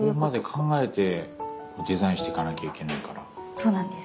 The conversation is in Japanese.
そうなんです。